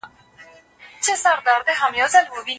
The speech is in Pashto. پکښي راغلي